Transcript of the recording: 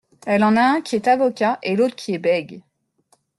… elle en a un qui est avocat et l'autre qui est bègue …